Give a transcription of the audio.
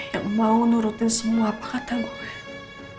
yang mau nurutin semua apa kata gue